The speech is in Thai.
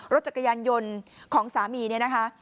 รถจักรยานยนต์ของสามีเนี่ยนะคะ